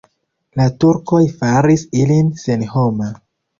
La turkoj faris ilin senhoma.